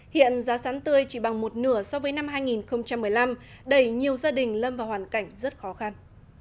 hiện giá sắn tươi chỉ bằng một nửa so với năm hai nghìn một mươi năm đẩy nhiều gia đình lâm vào hoàn cảnh rất khó khăn